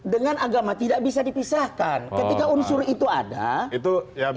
dengan agama tidak bisa dipisahkan itu